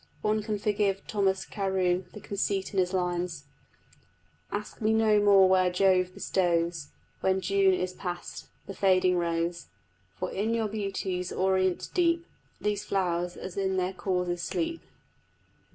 One can forgive Thomas Carew the conceit in his lines Ask me no more where Jove bestows When June is past, the fading rose, For in your beauty's orient deep These flowers as in their causes sleep.